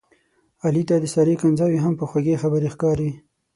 علي ته د سارې کنځاوې هم په خوږې خبرې ښکاري.